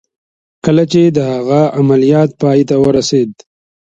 کله چې د هغه عملیات پای ته ورسېد